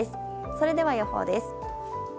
それでは予報です。